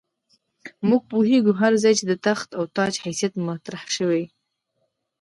موږ پوهېږو هر ځای چې د تخت او تاج حیثیت مطرح شوی.